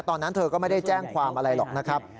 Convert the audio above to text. ตอนนั้นเธอก็ไม่ได้แจ้งความอะไรหรอกนะครับ